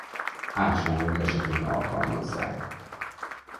Ásványok esetén alkalmazzák.